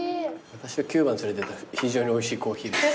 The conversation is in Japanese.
私をキューバに連れてっては非常においしいコーヒーです。